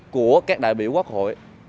của các đại biểu quốc hội